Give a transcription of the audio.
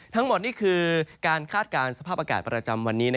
ทั้งหมดนี่คือการคาดการณ์สภาพอากาศประจำวันนี้